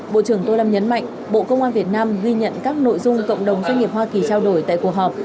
bộ trưởng tô lâm nhấn mạnh bộ công an việt nam ghi nhận các nội dung cộng đồng doanh nghiệp hoa kỳ trao đổi tại cuộc họp